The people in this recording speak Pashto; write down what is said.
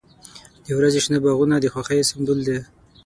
• د ورځې شنه باغونه د خوښۍ سمبول دی.